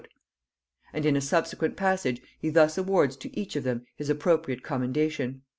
And in a subsequent passage he thus awards to each of them his appropriate commendation.